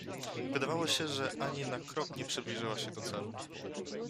Wydawało się, że ani na krok nie przybliżyła się do celu.